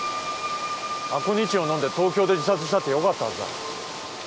アコニチンを飲んで東京で自殺したってよかったはずだ。